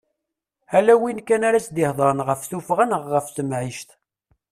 Ala win kan ara as-d-ihedren ɣef tuffɣa neɣ ɣef temɛict.